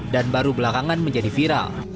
dan baru belakangan menjadi viral